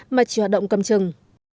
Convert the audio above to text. mà chỉ hoạt động cầm chừng